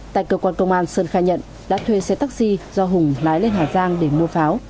tại cơ quan công an sơn khai nhận đã thuê xe taxi do hùng lái lên hà giang để mua pháo